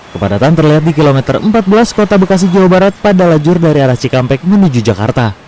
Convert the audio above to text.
kepadatan terlihat di kilometer empat belas kota bekasi jawa barat pada lajur dari arah cikampek menuju jakarta